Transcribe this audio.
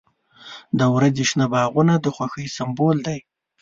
• د ورځې شنه باغونه د خوښۍ سمبول دی.